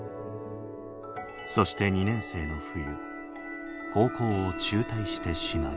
そして２年生の冬高校を中退してしまう。